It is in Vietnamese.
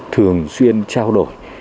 thường xuyên trao đổi